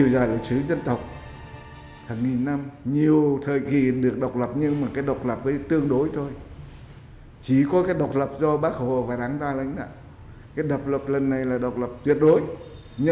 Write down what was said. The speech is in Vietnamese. vì hào về sự lãnh đạo của đảng vì mặt đường nối sức đúng đắn rất tài tình